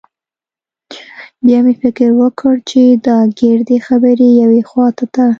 بيا مې فکر وکړ چې دا ګردې خبرې يوې خوا ته.